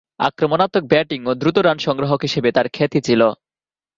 আক্রমণাত্মক ব্যাটিং ও দ্রুত রান সংগ্রাহক হিসেবে তার খ্যাতি ছিল।